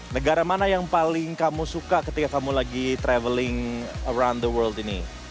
negara mana yang paling kamu suka ketika kamu lagi traveling around the world ini